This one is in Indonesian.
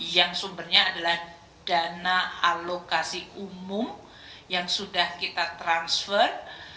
yang sumbernya adalah dana alokasi umum yang sudah kita transfer